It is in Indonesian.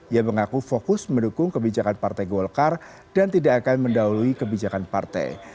ia mengaku fokus mendukung kebijakan partai golkar dan tidak akan mendahului kebijakan partai